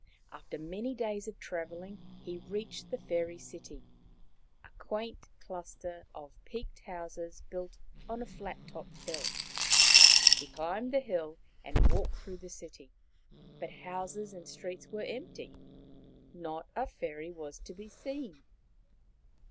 After many days of travelling, he reached the fairy city, a quaint cluster of peaked houses built on a flat topped hill. He climbed the hill and walked through the city, but houses and streets were empty. Not a fairy was to be seen.